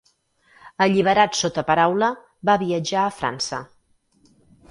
Alliberat sota paraula, va viatjar a França.